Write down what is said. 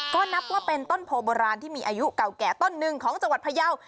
ก็นับว่าเป็นต้นโพโบราณที่มีอายุเก่าแก่ต้นหนึ่งของจังหวัดพยาว